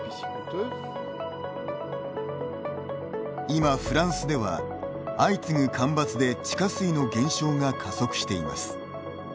今フランスでは相次ぐ干ばつで地下水の減少が加速しています。